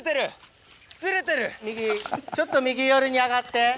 右ちょっと右寄りに上がって。